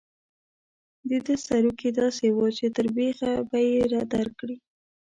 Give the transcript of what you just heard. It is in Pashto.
د ده سروکي داسې وو چې تر بېخه به یې درکړي.